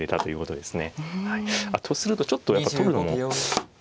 とするとちょっとやっぱ取るのも。